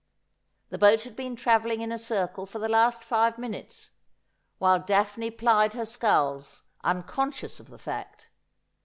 The boat had been travelling in a circle for the last five minutes, while Daphne plied her sculls, unijonscious of the fact.